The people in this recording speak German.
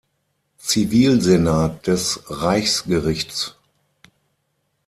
Zivilsenat des Reichsgerichts.